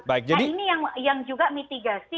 nah ini yang juga mitigasi